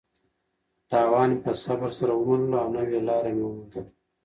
تاوان مې په صبر سره ومنلو او نوې لاره مې وموندله.